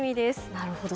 なるほど。